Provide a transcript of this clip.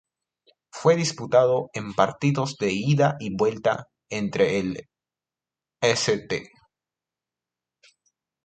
Fue disputado en partidos de ida y vuelta entre el St.